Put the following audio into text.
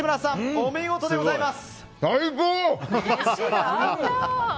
お見事でございます！